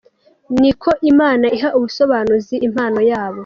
Niko Imana iha ubusobanuzi impano yayo.